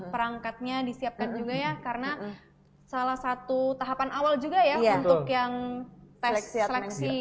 perangkatnya disiapkan juga ya karena salah satu tahapan awal juga ya untuk yang tes seleksi